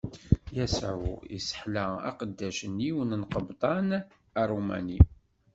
Yasuɛ isseḥla aqeddac n yiwen n lqebṭan Aṛumani.